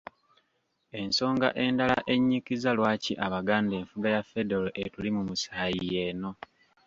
Ensonga endala ennyikiza lwaki Abaganda enfuga ya Federo etuli mu musaayi y'eno.